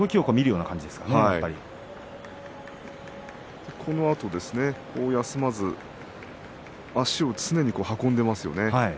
そして休まず足を常に運んでいますよね。